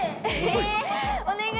えお願い。